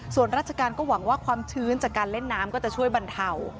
ส่วนราชการก็หวังว่าความชื้นจากการเล่นน้ำก็จะช่วยบรรเทา